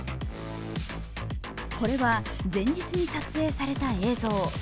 これは、前日に撮影された映像。